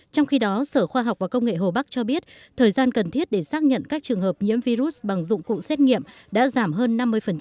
trong khi đó sở khoa học và công nghệ hồ bắc cho biết thời gian cần thiết để xác nhận các trường hợp nhiễm virus bằng dụng cụ xét nghiệm đã giảm hơn năm mươi